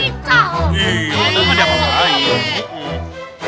iya ada yang apa apa aja